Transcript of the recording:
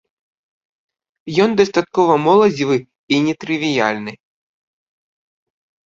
Ён дастаткова моладзевы і нетрывіяльны.